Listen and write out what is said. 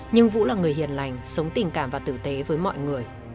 nhưng vũ là người hiền lành sống tình cảm và tử tế với mọi người